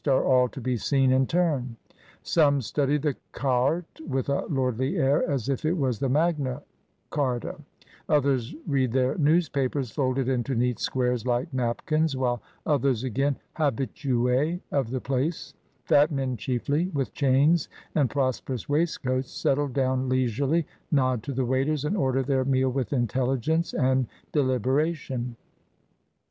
are all to be seen in turn; some study the carte with a lordly air as if it was the Magna Charta, others read their news papers folded into neat squares like napkins, while others again, habiiuSs of the place, fat men chiefly with chains and prosperous waistcoats, settle down leisurely, nod to the waiters, and order their meal with intelligence and deliberation.